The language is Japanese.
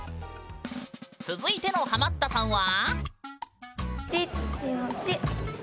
続いてのハマったさんは。